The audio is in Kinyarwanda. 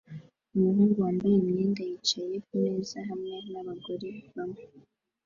Umuhungu wambaye imyenda yicaye kumeza hamwe nabagore bamwe